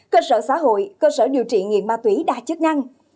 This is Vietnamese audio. cơ sở xã hội cơ sở điều trị nghiện ma túy đa chức năng